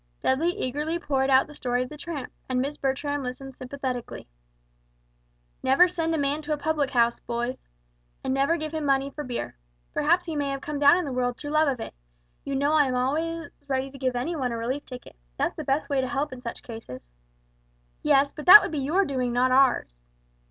Dudley eagerly poured out the story of the tramp, and Miss Bertram listened sympathetically. "Never send a man to a public house, boys and never give him money for beer. Perhaps he may have come down in the world through love of it. You know I am always ready to give any one a relief ticket. That's the best way to help such cases." "Yes, but that would be your doing not ours."